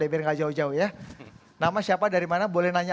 biar tidak jauh jauh ya